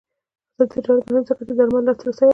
آزاد تجارت مهم دی ځکه چې د درملو لاسرسی اسانوي.